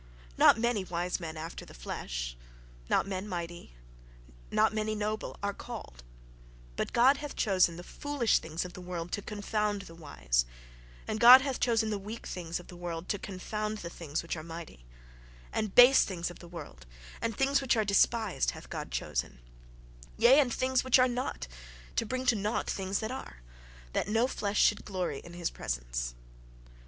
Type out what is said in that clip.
Not many wise men after the flesh, not men mighty, not many noble are called: But God hath chosen the foolish things of the world to confound the wise; and God hath chosen the weak things of the world to confound the things which are mighty; And base things of the world, and things which are despised, hath God chosen, yea, and things which are not, to bring to nought things that are: That no flesh should glory in his presence."